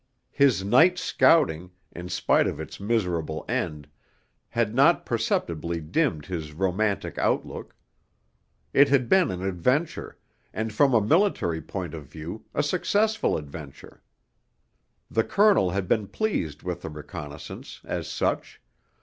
His night's scouting, in spite of its miserable end, had not perceptibly dimmed his romantic outlook; it had been an adventure, and from a military point of view a successful adventure. The Colonel had been pleased with the reconnaissance, as such.